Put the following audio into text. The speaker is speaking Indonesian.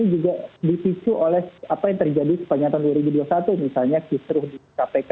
juga dipicu oleh apa yang terjadi sepanjang tahun dua ribu dua puluh satu misalnya kisruh di kpk